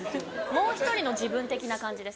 もう１人の自分的な感じです。